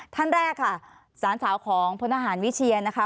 ท่านแรกค่ะสารสาวของพลทหารวิเชียนะคะ